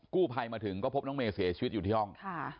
ภัยมาถึงก็พบน้องเมย์เสียชีวิตอยู่ที่ห้อง